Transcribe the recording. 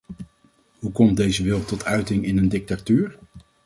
Hoe komt deze wil tot uiting in een dictatuur?